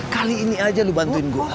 kali ini aja lu bantuin gue